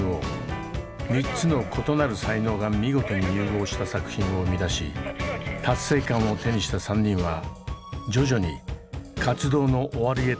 ３つの異なる才能が見事に融合した作品を生み出し達成感を手にした３人は徐々に活動の終わりへと向かい始めます。